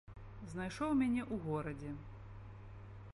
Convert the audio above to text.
Знайшоў мяне ў горадзе.